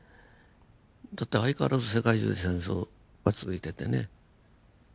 だって相変わらず世界中で戦争が続いててね。